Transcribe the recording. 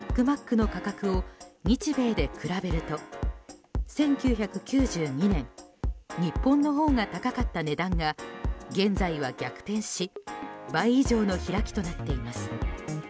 一方、よく経済指標として使われるというビッグマックの価格を日米で比べると１９９２年日本のほうが高かった値段が現在は逆転し倍以上の開きとなっています。